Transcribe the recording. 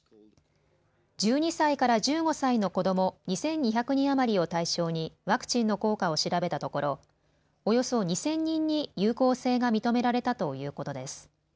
１２歳から１５歳の子ども、２２００人余りを対象にワクチンの効果を調べたところおよそ２０００人に有効性が認められたということです。